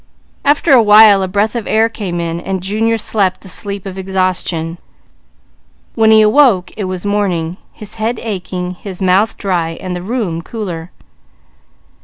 After a while a breath of air came in, and Junior slept the sleep of exhaustion. When he awoke it was morning, his head aching, his mouth dry, and the room cooler.